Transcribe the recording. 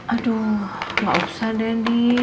aduh gak usah dady